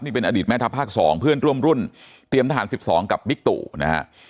เป็นอดีตแม่ทัพภาค๒เพื่อนร่วมรุ่นเตรียมทหาร๑๒กับบิ๊กตู่นะฮะ